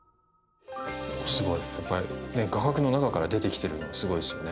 すごい、画角の中から出てきてるのすごいですよね。